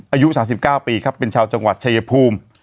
อายุ๓๙ปีครับเป็นชาวจังหวัดชายภูมิ